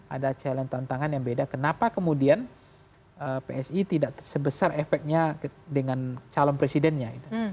ada challenge tantangan yang beda kenapa kemudian psi tidak sebesar efeknya dengan calon presidennya